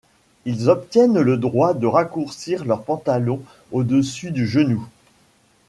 Ils obtiennent le droit de raccourcir leur pantalon au-dessus du genou.